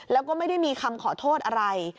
แล้วก็ไม่ได้มีคำขอโทษอะไร